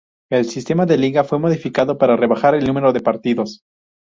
El sistema de liga fue modificado para rebajar el número de partidos.